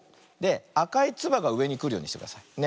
あかいつばがうえにくるようにしてください。ね。